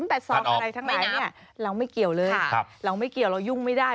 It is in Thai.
แต่ซองอะไรทั้งนั้นเนี่ยเราไม่เกี่ยวเลยเราไม่เกี่ยวเรายุ่งไม่ได้